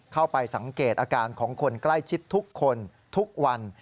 เข้าไปสังเกตอาการของคนใกล้ชิดทุกคนทุกวัน